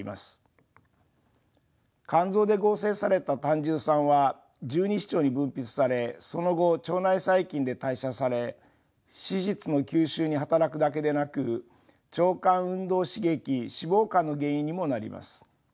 肝臓で合成された胆汁酸は十二指腸に分泌されその後腸内細菌で代謝され脂質の吸収に働くだけでなく腸管運動刺激脂肪肝の原因にもなります。